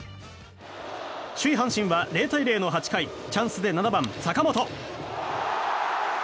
首位、阪神は０対０の８回チャンスで７番、坂本。